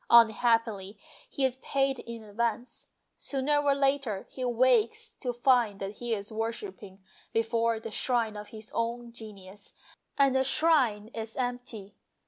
Unhappily he is paid in advance ; sooner or later he wakes to find that he is worshipping before the shrine of his own genius, and the shrine is empty.